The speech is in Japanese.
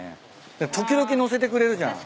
でも時々乗せてくれるじゃん。